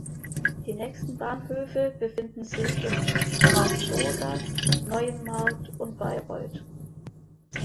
Die nächsten Bahnhöfe befinden sich in Marktschorgast, Neuenmarkt und Bayreuth.